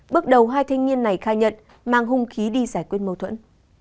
bước đầu hai thanh niên này khai nhận mang hung khí đi giải quyết mâu thuẫn